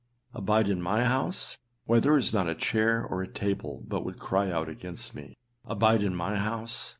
Abide in my house! why there is not a chair or a table but would cry out against me. Abide in my house!